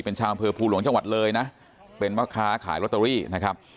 เป็นชาวอำเภอภูหลวงจังหวัดเลยนะเป็นแม่ค้าขายลอตเตอรี่นะครับ